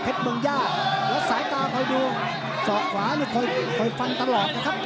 เพชรเมืองยากแล้วสายตาดูส่อขวานี่ค่อยฟันตลอดนะครับ